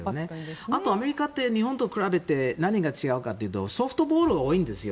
あと、アメリカって日本と比べて何が違うかというとソフトボールが多いんですよ